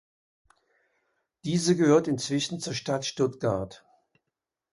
Diese gehört inzwischen zur Stadt Stuttgart.